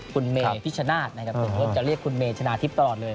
คุณเมพิชชนาธิ์นะครับผมก็จะเรียกคุณเมชนะทิพย์ตลอดเลย